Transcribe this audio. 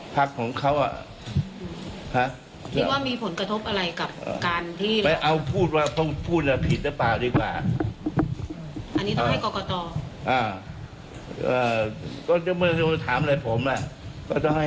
พรรคเข้าร้วยเพราะพรรคเขาแล้วด้วย